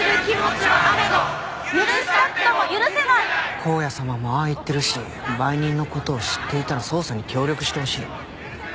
光矢様もああ言ってるし売人の事を知っていたら捜査に協力してほしい。